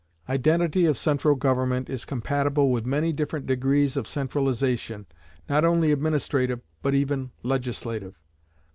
Identity of central government is compatible with many different degrees of centralisation, not only administrative, but even legislative.